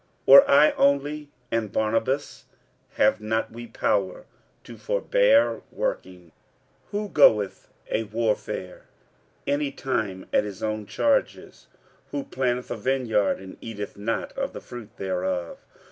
46:009:006 Or I only and Barnabas, have not we power to forbear working? 46:009:007 Who goeth a warfare any time at his own charges? who planteth a vineyard, and eateth not of the fruit thereof?